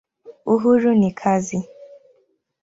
Uhuru ni kazi.